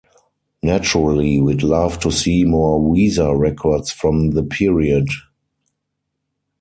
Naturally, we'd love to see more Weezer records from the period.